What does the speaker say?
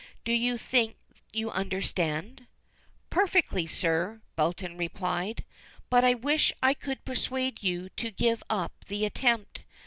Do you think you understand?" "Perfectly, sir," Belton replied, "but I wish I could persuade you to give up the attempt.